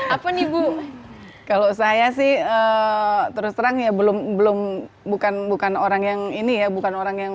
apa nih bu kalau saya sih terus terang ya belum belum bukan bukan orang yang ini ya bukan orang yang